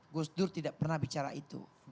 gus dur tidak pernah bicara itu